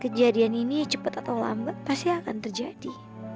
kejadian ini cepat atau lambat pasti akan terjadi